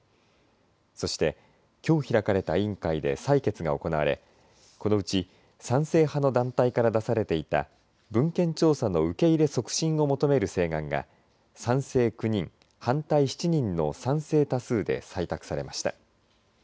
そして、きょう開かれた委員会で採決が行われこのうち賛成派の団体から出されていた文献調査の受け入れ促進を求める請願が賛成９人、反対７人の賛成多数で採択されました。